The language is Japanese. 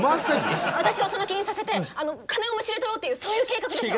私をその気にさせて金をむしり取ろうっていうそういう計画でしょ？